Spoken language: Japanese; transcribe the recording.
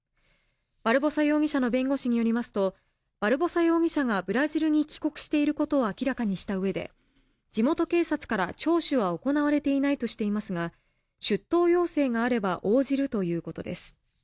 バルボサ容疑者の弁護士によりますとバルボサ容疑者がブラジルに帰国していることを明らかにした上で地元警察から聴取は行われていないとしていますが出頭要請があれば応じるということです